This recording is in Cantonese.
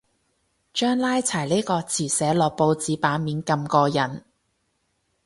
將拉柴呢個詞寫落報紙版面咁過癮